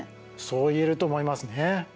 そう言えると思いますね。